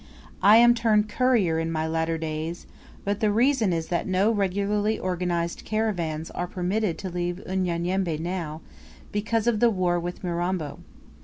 I am turned courier in my latter days; but the reason is that no regularly organized caravans are permitted to leave Unyanyembe now, because of the war with Mirambo.